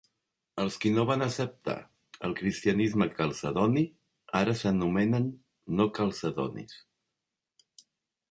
Els qui no van acceptar el cristianisme calcedoni ara s'anomenen "no calcedonis".